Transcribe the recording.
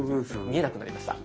見えなくなりました。